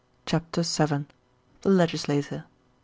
CHAPTER VII. The Legislator.